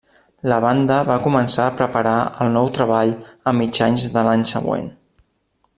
La banda va començar a preparar el nou treball a mitjans de l'any següent.